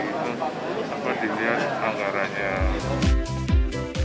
itu sampai dilihat anggaranya